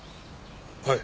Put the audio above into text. はい。